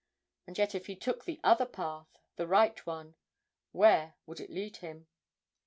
And yet if he took the other path, the right one, where would it lead him?